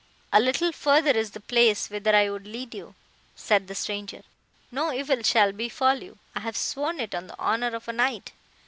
"'A little further is the place, whither I would lead you,' said the stranger; 'no evil shall befall you—I have sworn it on the honour of a knight.